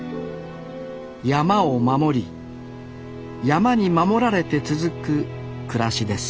山を守り山に守られて続く暮らしです